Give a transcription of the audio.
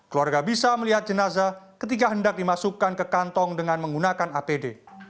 keluarga bisa melihat jenazah ketika hendak dimasukkan ke kantong dengan menggunakan apd